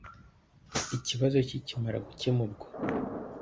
Ikibazo kikimara gukemurwa